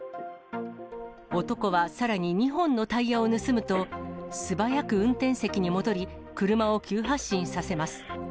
男はさらに２本のタイヤを盗むと、素早く運転席に戻り、車を急発進させます。